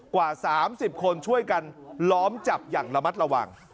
กว่า๓๐คนช่วยกันล้อมจับอย่างระมัดระวัง